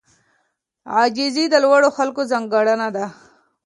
عاجزي د لوړو خلکو ځانګړنه ده.